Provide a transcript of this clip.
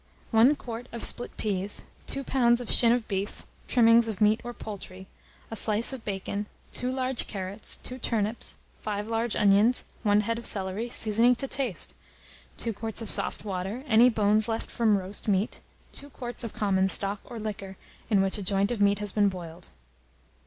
1 quart of split peas, 2 lbs. of shin of beef, trimmings of meat or poultry, a slice of bacon, 2 large carrots, 2 turnips, 5 large onions, 1 head of celery, seasoning to taste, 2 quarts of soft water, any bones left from roast meat, 2 quarts of common stock, or liquor in which a joint of meat has been boiled.